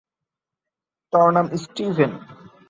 তার নাম স্টিভেন।